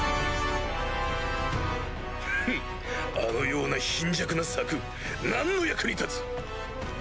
フンあのような貧弱な柵何の役に立つ！